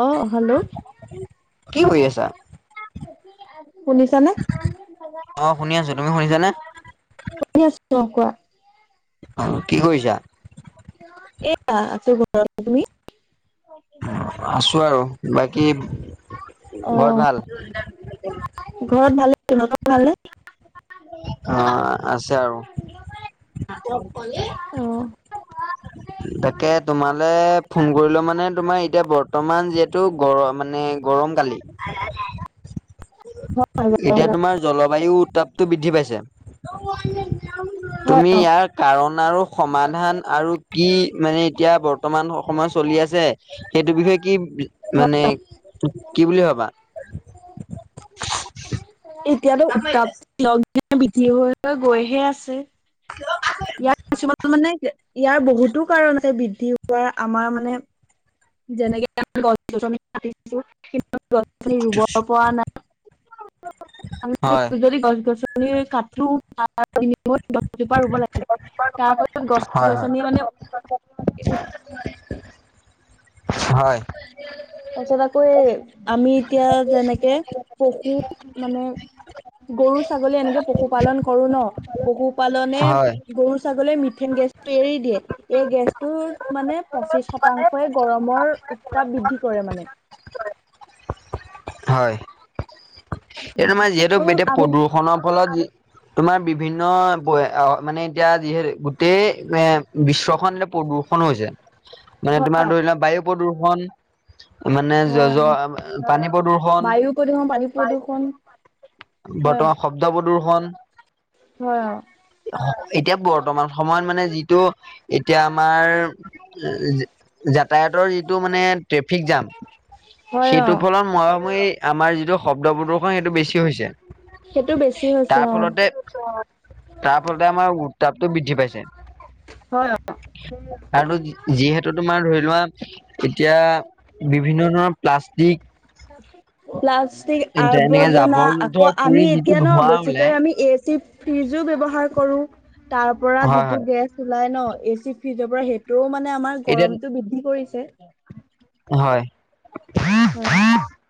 অ, hello কি কৰি আছা? শুনিছানে, অ শুনি আছো তুমি শুনিছানে? শুনি আছো অ' কোৱা। অ', কি কৰিছা। এয়া আছো ঘৰতে তুমি। অ', আছো আৰু বাকী ঘৰত ভাল? ঘৰত ভাল সিহতৰ ভালনে। অ আছে আৰু অ'। [inaudible] তাকে তোমালে ফোন কৰিলে মানে তোমাৰ এতিয়া বৰ্তমান যিহেতু গৰ মানে গৰম কালি [unintelligible] বা বায়ু উত্তাপটো বৃদ্ধি পাইছে। হয় তুমি অ ইয়াৰ কাৰণ আৰু সমাধান আৰু কি মানে এতিয়া বৰ্ত বৰ্তমান সময় চলি আছে সেইটো বিষয়ে কি হয় মানে কি বুলি ভাবা? এতিয়াতো উত্তাপটো বৃদ্ধি হৈ- হৈ গৈহে আছে। য়াত কিছুমান মানে ইয়াৰ বহুতো কাৰণ আছে বৃদ্ধি হোৱাৰ আমাৰ মানে যেনেকে [unintelligible] গছি ৰুব পৰা নাই আমি হয় যদি গছ গছনি [unintelligible] [unintelligible] গছজোপা ৰুব লাগে, তাৰপিছত গছ হয় হয় গছনিয়ে মানে তাৰপিছত [inaudible] হয় তাৰপিছত আকৌ এই আমি এতিয়া যেনেকে পশু মানে গৰু ছাগলী এনেকে পশুপালন কৰো ন, পশুপালনে হয় গৰু ছাগলী ম মিথেইন গেছটো এৰি দিয়ে এই গেছটোত মানে পঁচিশ শতাংশই গৰমৰ উত্তাপ বৃদ্ধি কি কৰে‌ মানে। হয়। এ তোমাৰ যিহেতু আৰু এতিয়া আমি প্ৰদূষণৰ ফলত তোমাৰ বিভিন্ন মানে এতিয়া যিহেতু গোটেই এ বিশ্ব খন প্ৰদূষণ হৈছে মানে হয় তোমাৰ ধৰি লোৱা বায়ু প্ৰদূষণ মানে য হয় য অ পানী প্ৰদূষণ বায়ু প্ৰদূষণ পানী প্ৰদূষণ হয় অ বৰ্তমান শব্দ প্ৰদূষণ, হয়। এতিয়া বৰ্তমান সময়ত মানে যিটো এতিয়া আমাৰ যাতায়াতৰ যিটো মানে ট্ৰেফিক জাম, হয় অ সেইটো ফলত মৰাময় আমাৰ যিটো শব্দ প্ৰদূষণ সেইটো বেছি হৈছে। সেইটো বেছি হৈছে তাৰ অ ফলতে তাৰ ফলতে আমাৰ উত্তাপটো বৃদ্ধি পাইছে হয় অ। আৰু যিহেতু তোমাৰ ধৰি লোৱা এতিয়া বিভিন্ন ধৰণৰ প্লাছ প্লাষ্টিক প্লাষ্টিক এনেকে আবৰ্জনা জাবৰ আকৌ জোথৰ পুৰি আমি যিটো এতিয়া ন ধোঁৱা ওলাই বেছিকৈ আমি এ চি ফ্ৰিজো ব্যৱহাৰ কৰো, তাৰ পৰা হয় যিটো হয় গেছ ওলাই ন এচি ফ্ৰিজৰ পৰা সেইটোও মানে আমাৰ এতিয়া গৰমতটো বৃদ্ধি কৰিছে। হে হয়। উম। [unintelligible]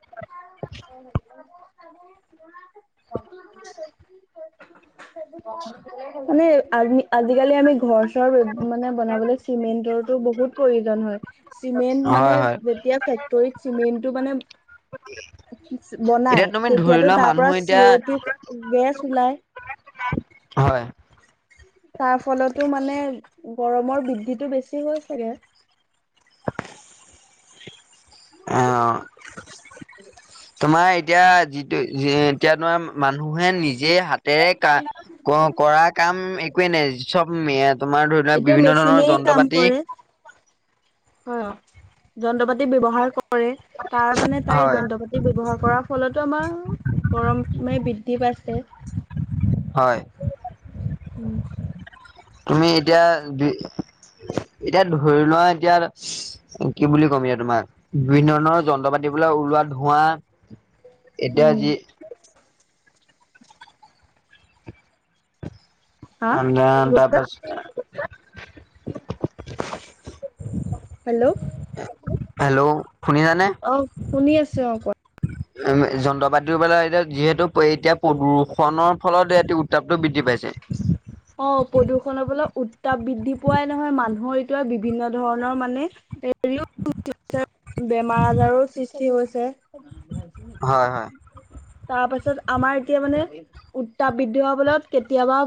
মানে আ আজিকালি আমি ঘৰ ঘৰ-চৰ মানে বনাবলৈ চিমেন্টৰো বহুত প্ৰয়োজন হয়। চিমেণ্ট মানে হয় হয় যেতিয়া ফেক্টৰীত চিমেণ্টটো মানে [unintelligible] বনাই এতিয়া তুমি ধৰি তেতিয়াতো লোৱা তাৰ মানুহ পৰা এতিয়া চিঅ'তটো গেছ ওলাই হয়। তাৰ ফলতো মানে গৰমৰ বৃদ্ধিটো বেছি হৈছেগে। অ [inaudible] তোমাৰ এতিয়া যিটো এতিয়া তোমাৰ মানুহে নিজ নিজে হাতেৰে কা কৰা কাম একোৱে নাই চব মে এতিয়া মেচিনেই কাম কৰে হয়। যন্ত্ৰ-পাতি ব্যৱহাৰ ক কৰে তাৰ মানে তাই হয় যন্ত্ৰ পাতি ব্যৱহাৰ কৰাৰ ফলতো আমাৰ গৰম মানে বৃদ্ধি পাইছে [inaudible] উম। তুমি এতিয়া দু এতিয়া ধৰি লোৱা এতিয়া কি বুলি ক'ম এতিয়া তোমাৰ বিভিন্ন ধৰণৰ যন্ত্ৰ পাতি ওলোৱা ধোৱা এতিয়া উম, যি হা কি কৈছা তাৰপাছত হেল্ল' হেল্ল' শুনিছানে? অ শুনি আছো অ কোৱা। উম যন্ত্ৰপাতি পৰা এতিয়া যিহেতু এতিয়া প্ৰদূষণৰ ফলত এ উত্তাপটো বৃদ্ধি পাইছে। অ প্ৰদূষণৰ ফলত উত্তাপ বৃদ্ধি পোৱাই নহয় মানুহৰ এতিয়া বিভিন্ন ধৰণৰ মানে হেৰিও বেমাৰ আজাৰো সৃষ্টি হৈছে। হয় হয় [unintelligible] তাৰ পাছত আমাৰ এতিয়া মানে উত্তাপ বৃদ্ধি হোৱাৰ ফলত কেতিয়াবা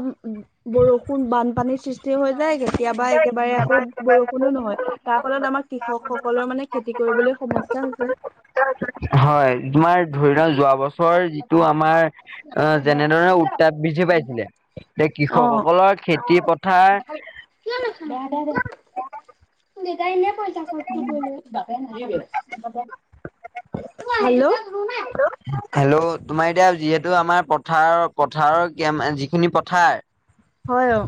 বৰষুণ বানপানীৰ সৃষ্টি হৈ যায়গে। কেতিয়াবা একেবাৰে আকৌ বৰষুণো নহয় তাৰ ফলত আমাৰ কৃষকসকলৰ মানে খেতি কৰিবলৈ সমস্যা হৈছে। হয়, তোমাৰ ধৰি লওঁ যোৱা বছৰ যিটো আমাৰ অ' যেনে ধৰণৰ উত্তাপ বীজ পাইছিলে যে কৃষকসকলৰ খেতি পথাৰ কিয় নেখাম বেয়া দেউতাই এনে পইচা খৰচ টো কৰিলে। Hello hello. তোমাৰ, এতিয়া যিহেতু আমাৰ পথাৰৰ পথাৰৰ জ্ঞান এহ যিখিনি পথাৰৰ হয়য়ো।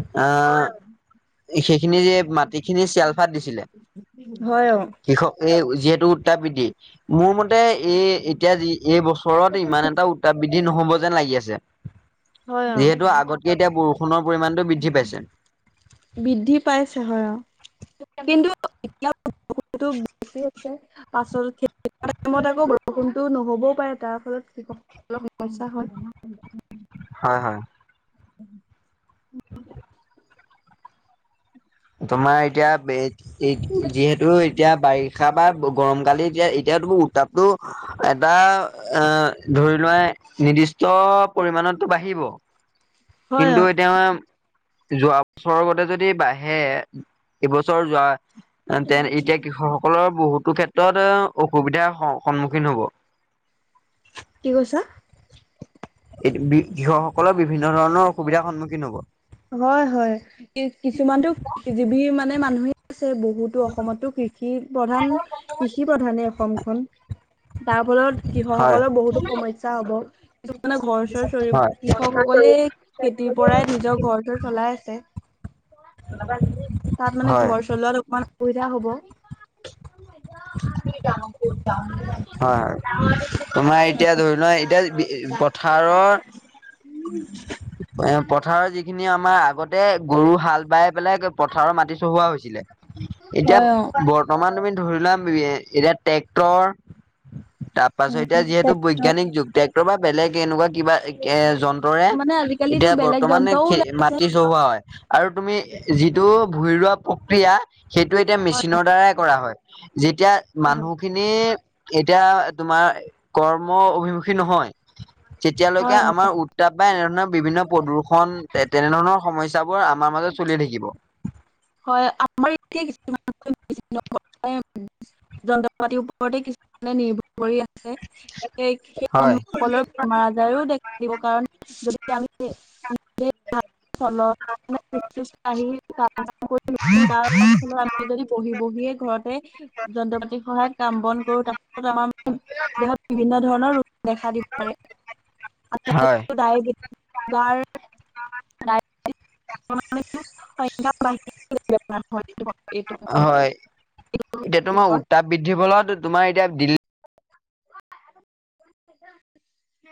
এই সেইখিনি মাটি খিনি চেলফাত দিছিলে হয় অ', কৃষকে যিহেতু টোৰ উত্তাপবিদ্ধি মোৰ মতে এই এতিয়া যি এই বছৰত ইমান এটা উত্তাপবিদ্ধি নহ'ব যেন লাগি আছে। হয় অ'। যিহেতু আগতকে এতিয়া বৰষুণৰ পৰিমাণটো বৃদ্ধি পাইছে। বৃদ্ধি পাইছে হয় আৰু কিন্তু এতিয়া উত্তাপটো বেছি হৈছে পাছলৈ আহা টাইমত আকৌ বৰষুণতো নহ'বও পাৰে। তাৰ ফলত কৃষক অলপ সমস্যা হয়। হয় হয়। [inaudible] তোমাৰ এতিয়া বেইট যিহেতু এতিয়া বাৰিষ ষাবা গৰম কালি এতিয়া এতিয়া তোৰ উত্তাপতটো এটা অ ধৰি লোৱা নিৰ্দিষ্ট পৰিমানতটো বাঢ়িব। হয় কিন্তু অ', এতিয়া যোৱা বছৰৰ গতে যদি বাহ হে এইবছৰ যোৱাতে এতিয়া কৃষকসকলৰ বহুত টো ক্ষেত্ৰত অ অসুবিধাৰ স সন্মুখীন হব। কি কৈছা? কৃষকসকলৰ বিভিন্ন ধৰণৰ অসুবিধাৰ সন্মুখীন হ'ব। হয়- হয় কিছুমানতো যিৱি মানে মানুহে আছে বহুতো অসমতো কৃষি প্ৰধান কৃষি প্ৰধানে অসমখন। বা ভলত হয়, কৃষকসকলৰ বহুতো সমস্যা হব কিছুমানে ঘৰ চৰ চৰি হয়, কৃষকসকলে এই খেতিৰ পৰাই নিজৰ ঘৰটো চলাই আছে। তাত মানে হয়, হয়, ঘৰ চলোৱাত অকমান সুবিধা হ'ব। [unintelligible] হয়, তোমাৰ এতিয়া ধৰি লোৱা এতিয়া এই পথাৰৰ এ পথাৰৰ যিখিনি আমাৰ আগতে গৰু হাল বাই পেলাই পথাৰ মাটি চহোৱা হৈছিলে এতিয়া হয় অ বৰ্তমান তুমি ধৰিলোৱা এতিয়া ট্ৰেক্টৰ তাৰ পাছত এতিয়া যিহেতু ট্ৰেক্টৰ বৈজ্ঞানিক যুগ ট্ৰেক্টৰ বা বেলেগ এনেকুৱা কিবা এ জন্ তৰে মানে আজিকালিতো এতিয়া বেলেগ বৰ্তমানে যন্ত্ৰও খে ওলাইছে মাটি চহোৱা হয়। আৰু তুমি যিটো ভূঁই ৰোৱা প্ৰক্ৰিয়া সেইটো এতিয়া হয় মেচিনৰ দ্বাৰাই কৰা হয়। যেতিয়া মানুহখিনি এতিয়া তোমাৰ কৰ্ম অভিমুখী নহয় যেতিয়ালৈকে হয় হয় আমাৰ উত্তাপ বা এনেধৰণৰ বিভিন্ন প্ৰদূৰ্ষণ তেনেধৰণৰ সমস্যাবোৰ আমাৰ মাজত চলি থাকিব। হয় আমাৰ এতিয়া কিছুমান [unintelligible] যন্ত্ৰ পাতিৰ ওপৰতে কিছুমানে নিৰ্ভৰ কৰি আছে। সেই সেই হয় মানুহসকলৰ বেমাৰ আজাৰেও কাৰণ যদি আমি [unintelligible] চলত [unintelligible] আমি যদি বহি বহি [unintelligible] ঘৰতে যন্ত্ৰ পাতিৰ সহায়ত কাম বন কৰো ত [unintelligible] দেহত বিভিন্ন ধৰণৰ ৰোগ [unintelligible] হয় গাৰ সংা বাঢ়াৰ হয় হয় এতিয়া তোমাৰ উত্তাপ বৃদ্ধিৰ ফলত তোমাৰ এতিয়া দিল্লী [unintelligible]